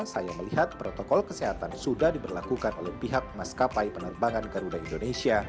saya melihat protokol kesehatan sudah diberlakukan oleh pihak maskapai penerbangan garuda indonesia